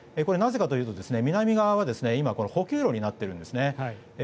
なぜかというと南側は今今、補給路になっているんです。